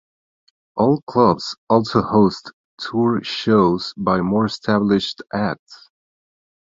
All clubs also host tour shows by more established acts.